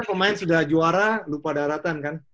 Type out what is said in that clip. gak ada yang nanya lupa daratan kan